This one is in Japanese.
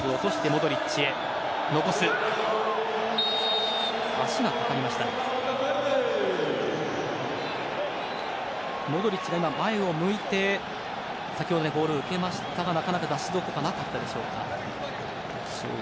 モドリッチが前を向いて先ほどボールを受けましたがなかなか出しどころがなかったでしょうか。